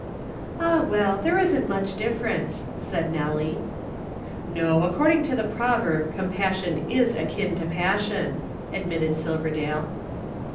"Ah well, there isn't much difference," said Nelly. "No, according to the proverb Compassion is akin to Passion," admitted Silverdale.